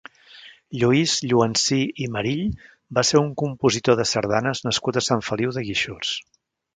Lluís Lloansí i Marill va ser un compositor de sardanes nascut a Sant Feliu de Guíxols.